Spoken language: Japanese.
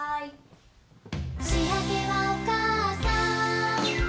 はい。